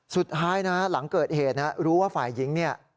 สุดท้ายนะหลังเกิดเหตุนะรู้ว่าฝ่ายหญิงเนี่ย